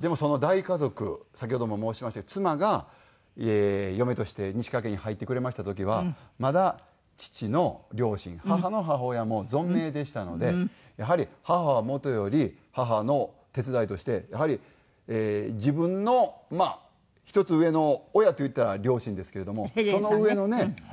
でもその大家族先ほども申しましたように妻が嫁として西川家に入ってくれました時はまだ父の両親母の母親も存命でしたのでやはり母はもとより母の手伝いとしてやはり自分のまあ１つ上の親といったら両親ですけれども。